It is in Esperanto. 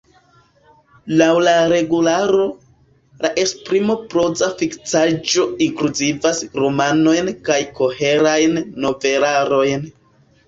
Laŭ la regularo, la esprimo proza fikciaĵo inkluzivas romanojn kaj koherajn novelarojn.